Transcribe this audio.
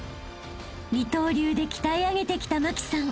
［二刀流で鍛え上げてきた茉輝さん］